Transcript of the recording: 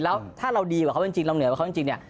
แล้วถ้าเราดีกว่าเขาเป็นจริงเราเหนือกว่าเขาจริงเนี่ย